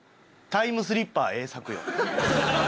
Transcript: タイムスリッパー栄作よ。